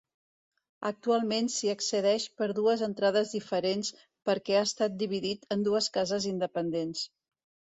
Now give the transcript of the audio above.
Actualment s'hi accedeix per dues entrades diferents, perquè ha estat dividit en dues cases independents.